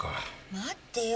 待ってよ。